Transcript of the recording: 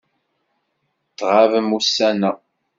Tɣabem ussan-a.